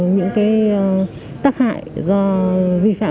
những tác hại do vi phạm